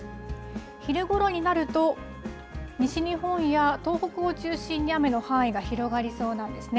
昼ごろになると、西日本や東北を中心に雨の範囲が広がりそうなんですね。